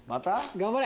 頑張れ！